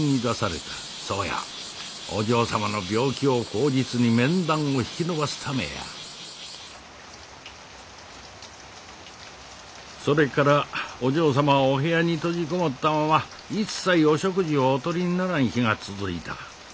そうやお嬢様の病気を口実に面談を引き延ばすためやそれからお嬢様はお部屋に閉じこもったまま一切お食事をおとりにならん日が続いた。